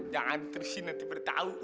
jangan tersin nanti beritahu